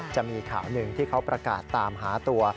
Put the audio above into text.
จะมีข่าวหนึ่งที่เขาประกาศตามหาตัว